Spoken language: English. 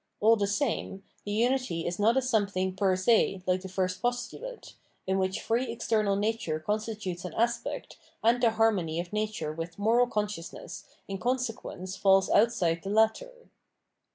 All the same, the unity is not a something per se like the first postulate, in which free external nature constitutes an aspect and the harmony of nature with moral consciousness in consequence falls outside the latter.